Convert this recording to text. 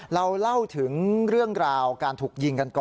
เราเล่าถึงเรื่องราวการถูกยิงกันก่อน